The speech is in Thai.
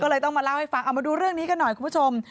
ก็เลยต้องมาเล่าให้ฟังเอามาดูเรื่องนี้กันหน่อยคุณผู้ชม